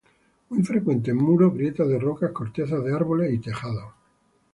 Muy frecuente en muros, grietas de rocas, cortezas de árboles y tejados.